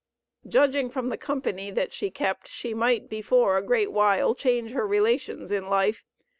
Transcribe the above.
Judging from the company that she kept she might before a great while change her relations in life.